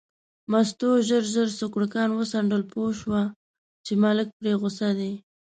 مستو ژر ژر سوکړکان وڅنډل، پوه شوه چې ملک پرې غوسه دی.